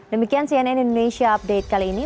demikian cnn indonesia update kali ini